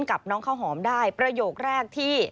กับน้องข้าวหอมได้ประโยคแรกที่